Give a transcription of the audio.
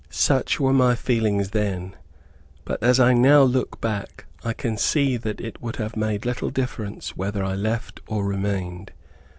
Such were my feelings then; but as I now look back, I can see that it would have made little difference whether I left or remained.